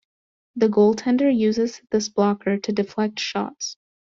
The goaltender uses this blocker to deflect shots.